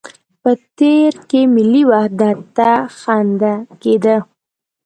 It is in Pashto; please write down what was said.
په تېر کې ملي وحدت ته خنده کېده.